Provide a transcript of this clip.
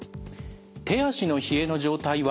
「手足の冷えの状態は？」。